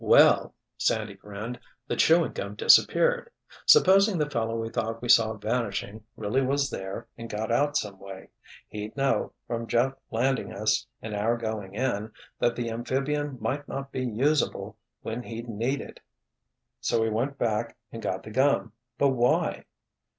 "Well," Sandy grinned, "the chewing gum disappeared! Supposing the fellow we thought we saw vanishing really was there and got out some way. He'd know, from Jeff landing us and our going in, that the amphibian might not be usable when he'd need it——" "So he went back and got the gum—but why?"